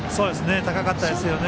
高かったですよね。